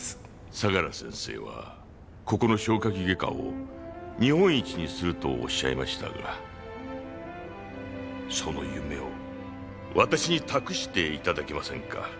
相良先生はここの消化器外科を日本一にすると仰いましたがその夢を私に託して頂けませんか？